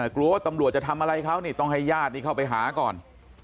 กลัวว่าตำรวจจะทำอะไรเขานี่ต้องให้ญาตินี่เข้าไปหาก่อน